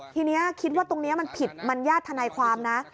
ทีนี้คิดว่าตรงนี้มันผิดมันญาติทนายความนะ